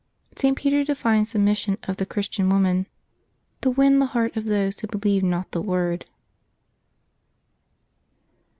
— St. Peter defines the mission of the Chris tian woman ; to win the heart of those who believe not the word.